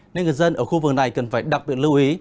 nên người dân ở khu vực này cần phải đặc biệt lưu ý